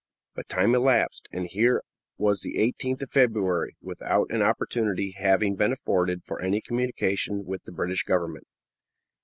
But time elapsed, and here was the 18th of February without an opportunity having been afforded for any communication with the British Government.